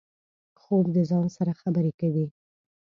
خوب د ځان سره خبرې دي